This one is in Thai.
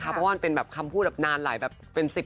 เพราะว่าเป็นคำพูดแบบนานหลายแบบเป็น๑๐ปี